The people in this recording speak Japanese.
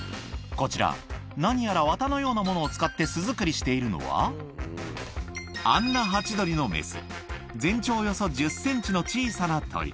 こちら何やら綿のようなものを使って巣作りしているのはアンナハチドリのメス全長およそ１０ｃｍの小さな鳥